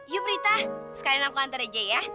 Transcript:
yuk prita sekalian aku antar aja ya